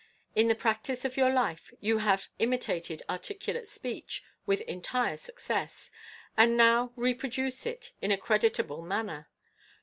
In the practice of your life you have imitated articulate speech with entire success, and now reproduce it in a creditable manner.